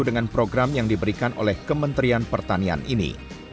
dengan program yang diberikan oleh kementerian pertanian ini